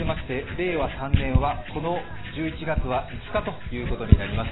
令和３年、この１１月は５日ということになります。